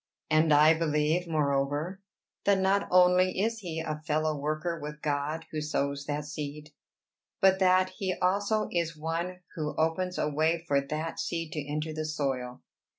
And I believe, moreover, that not only is he a fellow worker with God who sows that seed, but that he also is one who opens a way for that seed to enter the soil.